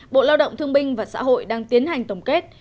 bộ lao động thương binh và xã hội đang tiến hành tổng kết